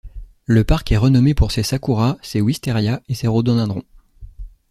Le parc est renommé pour ses sakura, ses wisteria et ses rhododendrons.